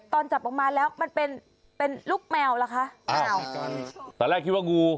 ตอนแรกคิดว่างู